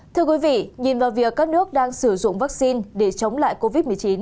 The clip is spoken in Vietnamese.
thưa quý vị nhìn vào việc các nước đang sử dụng vaccine để chống lại covid một mươi chín